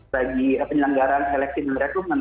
bagi penyelenggaraan seleksi dan rekrutmen